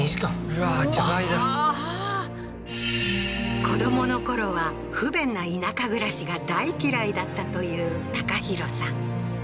うわー子どものころは不便な田舎暮らしが大嫌いだったという隆浩さん